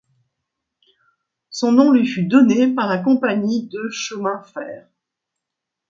Son nom lui fut donné par la compagnie de chemin fer.